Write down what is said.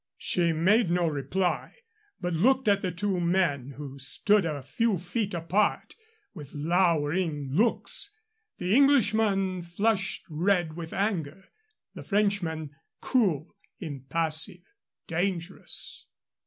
She made no reply, but looked at the two men who stood a few feet apart with lowering looks the Englishman flushed red with anger, the Frenchman cool, impassive, dangerous.